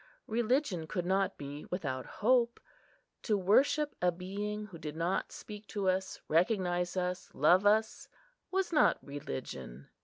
Religion could not be without hope. To worship a being who did not speak to us, recognise us, love us, was not religion.